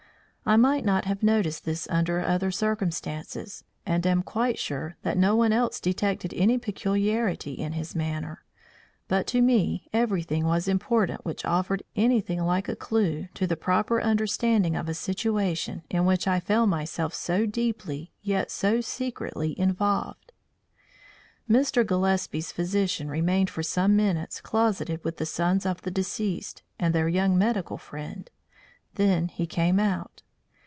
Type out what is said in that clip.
I might not have noticed this under other circumstances, and am quite sure that no one else detected any peculiarity in his manner, but to me, everything was important which offered anything like a clue to the proper understanding of a situation in which I found myself so deeply, yet so secretly involved. Mr. Gillespie's physician remained for some minutes closeted with the sons of the deceased and their young medical friend; then he came out.